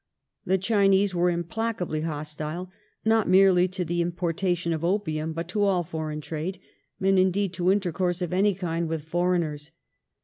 The Chinese were implacably hostile not merely to the importation of opium but to all foreign trade, and indeed to intercourse of any kind with foreigners.